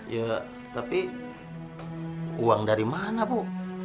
ya tapi uang dari mana bu